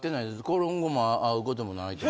今後も会うこともないと。